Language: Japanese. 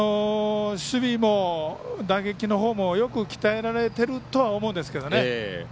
守備も打撃のほうもよく鍛えられてるとは思うんですけどね。